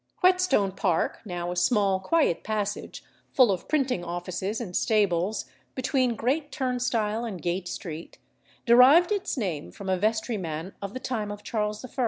Whetstone Park, now a small quiet passage, full of printing offices and stables, between Great Turnstile and Gate Street, derived its name from a vestryman of the time of Charles I.